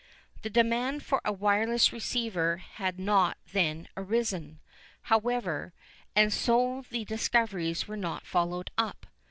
The demand for a wireless receiver had not then arisen, however, and so the discoveries were not followed up.